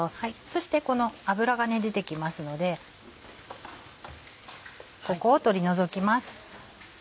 そしてこの脂が出て来ますのでここを取り除きます。